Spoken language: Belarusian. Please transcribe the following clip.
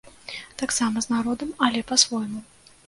Таксама з народам, але па-свойму!